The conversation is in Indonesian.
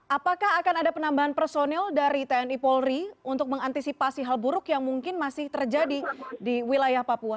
apakah akan ada penambahan personil dari tni polri untuk mengantisipasi hal buruk yang mungkin masih terjadi di wilayah papua